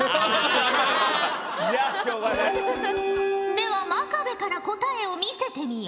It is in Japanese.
では真壁から答えを見せてみよ！